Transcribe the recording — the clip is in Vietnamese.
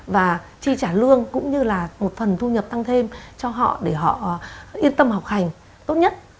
và chi trả lương cũng như là một phần thu nhập tăng thêm cho họ để họ yên tâm học hành tốt nhất